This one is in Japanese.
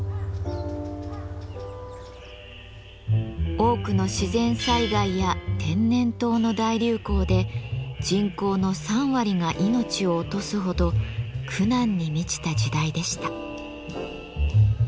多くの自然災害や天然痘の大流行で人口の３割が命を落とすほど苦難に満ちた時代でした。